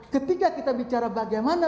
ketika kita bicara bagaimana